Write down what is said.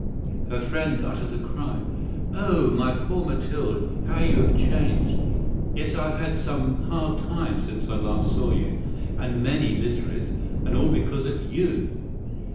Her friend uttered a cry. "Oh, my poor Mathilde! How you are changed!" "Yes, I have had a pretty hard life, since I last saw you, and great poverty—and that because of you!"